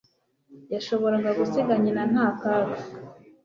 Yashoboraga gusiga nyina nta kaga